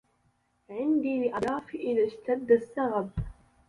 عندي لأضيافي إذا اشتد السغب